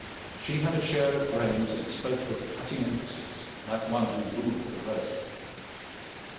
She had a share of brains, and spoke with a cutting emphasis, like one who ruled the roast.